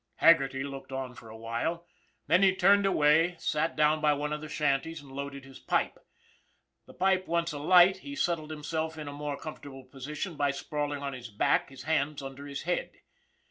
Haggerty looked on for awhile, then he turned away, sat down by one of the shanties, and loaded his pipe. The pipe once alight, he settled himself in a more comfortable position by sprawling on his back, his hands under his head.